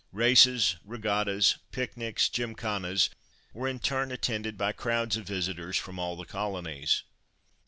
Races, regattas, picnics, gymkhanas, were in turn attended by crowds of visitors from all the colonies.